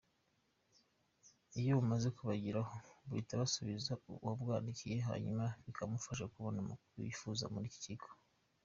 Iyo bumaze kubageraho bahita basubiza uwabandikiye, hanyuma bikamufasha kubona amakuru yifuza muri icyo kigo.